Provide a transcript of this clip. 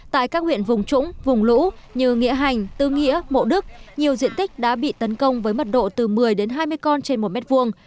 tại các huyện vùng trũng vùng lũ như nghĩa hành tư nghĩa mộ đức nhiều diện tích đã bị tấn công với mật độ từ một mươi đến hai mươi con trên một mét vuông